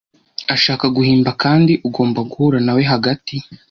Ashaka guhimba kandi ugomba guhura nawe hagati.